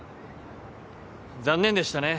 残念でしたね。